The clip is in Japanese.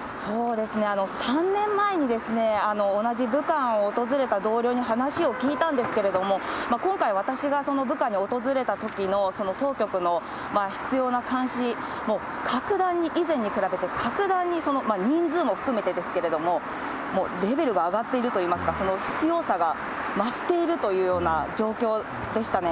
そうですね、３年前に同じ武漢を訪れた同僚に話を聞いたんですけれども、今回、私が武漢に訪れたときのその当局の執ような監視、格段に以前に比べて、格段に人数も含めてですけれども、もうレベルが上がっているといいますか、その執ようさが増しているというような状況でしたね。